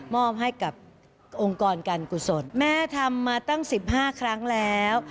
มอบให้กับองค์กรการกุศลแม่ทำมาตั้งสิบห้าครั้งแล้ว